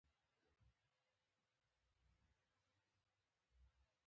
لږه تلوسه مې شوه چې دلته به اوس څه وي.